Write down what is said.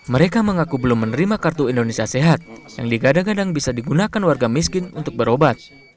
mereka mengaku belum menerima kartu indonesia sehat yang digadang gadang bisa digunakan warga miskin untuk berobat